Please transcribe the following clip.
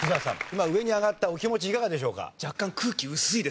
今上に上がったお気持ちいかがでしょうか？